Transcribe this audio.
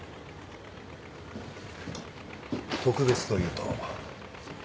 特別というと？